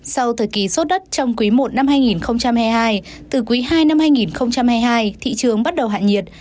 sau thời kỳ sốt đất trong quý i năm hai nghìn hai mươi hai từ quý ii năm hai nghìn hai mươi hai thị trường bắt đầu hạ nhiệt